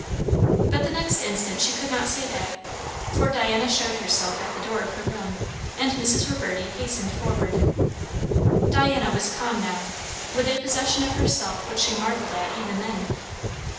But the next instant she could not say that, for Diana showed herself at the door of her room, and Mrs. Reverdy hastened forward. Diana was calm now, with a possession of herself which she marvelled at even then.